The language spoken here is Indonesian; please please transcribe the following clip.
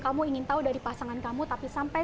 kamu ingin tahu dari pasangan kamu tapi sampai